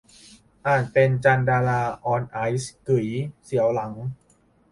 อ่านเป็น 'จันดารา ออน ไอซ์' กึ๋ย เสียวหลัง